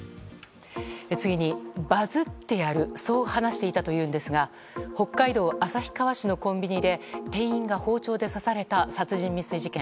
次にバズってやるそう話していたというんですが北海道旭川市のコンビニで店員が包丁で刺された殺人未遂事件。